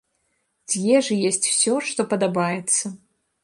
З ежы есць усё, што падабаецца.